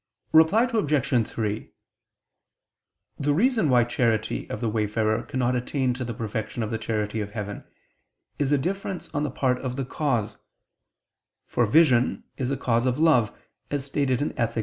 Reply Obj. 3: The reason why charity of the wayfarer cannot attain to the perfection of the charity of heaven, is a difference on the part of the cause: for vision is a cause of love, as stated in _Ethic.